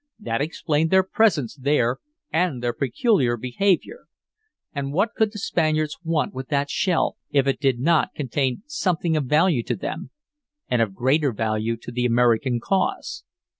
That explained their presence there and their peculiar behavior. And what could the Spaniards want with that shell if it did not contain something of value to them and of greater value to the American cause?"